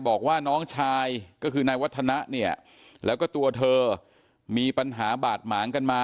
บอกว่าน้องชายก็คือนายวัฒนะเนี่ยแล้วก็ตัวเธอมีปัญหาบาดหมางกันมา